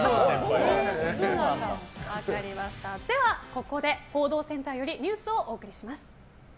では、ここで報道センターよりニュースをお送りします。